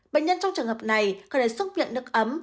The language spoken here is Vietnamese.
bệnh nhân trong trường hợp này có thể xúc miệng nước ấm